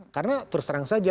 karena terus terang saja